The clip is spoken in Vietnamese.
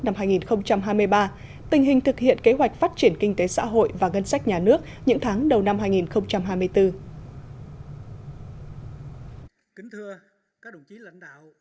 năm hai nghìn hai mươi ba tình hình thực hiện kế hoạch phát triển kinh tế xã hội và ngân sách nhà nước những tháng đầu năm hai nghìn hai mươi bốn